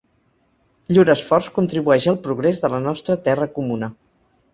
Llur esforç contribueix al progrés de la nostra terra comuna.